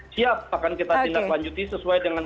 siap akan kita tindak lanjuti sesuai dengan